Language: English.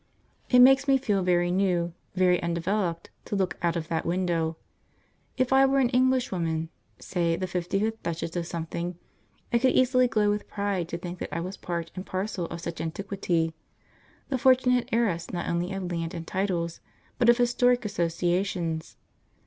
It makes me feel very new, very undeveloped, to look out of that window. If I were an Englishwoman, say the fifty fifth duchess of something, I could easily glow with pride to think that I was part and parcel of such antiquity; the fortunate heiress not only of land and titles, but of historic associations.